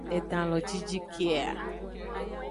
Edan lo jinjin ke a!